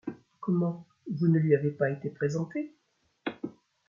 Comment, vous ne lui avez pas été présenté ?